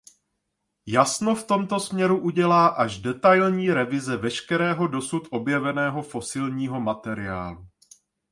Jasno v tomto směru udělá až detailní revize veškerého dosud objeveného fosilního materiálu.